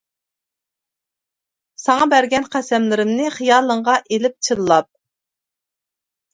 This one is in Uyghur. ساڭا بەرگەن قەسەملىرىمنى خىيالىڭغا ئىلىپ چىللاپ.